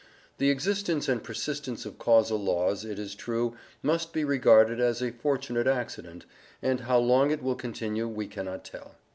The existence and persistence of causal laws, it is true, must be regarded as a fortunate accident, and how long it will continue we cannot tell.